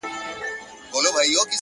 نظم د وخت د ساتنې هنر دی!.